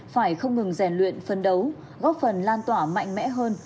phải không ngừng rèn luyện phân đấu góp phần lan tỏa mạnh mẽ hơn